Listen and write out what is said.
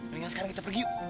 mari kita pergi yuk